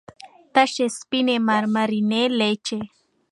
تشې سپينې مرمرينې لېچې